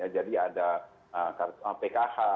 jadi ada pkh